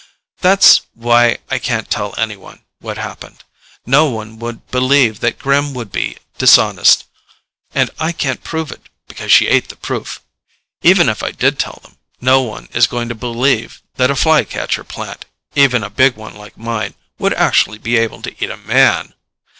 That's why I can't tell anyone what happened. No one would believe that Gremm would be dishonest. And I can't prove it, because she ate the proof. Even if I did tell them, no one is going to believe that a fly catcher plant even a big one like mine would actually be able to eat a man.